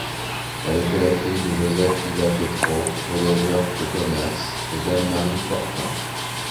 Elle était la fille de Joseph Hida Tétreau, voyageur de commerce, et d'Anne-Marie Fortin.